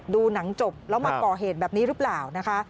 ดูหนังจบแล้วมาก่อเหตุแบบนี้หรือเปล่านะคะ